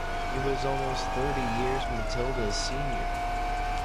He was almost thirty years Matilda's senior.